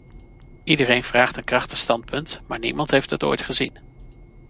Iedereen vraagt een krachtig standpunt, maar niemand heeft het ooit gezien.